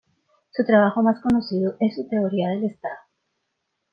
Su trabajo más conocido es su teoría del Estado.